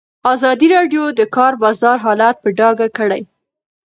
ازادي راډیو د د کار بازار حالت په ډاګه کړی.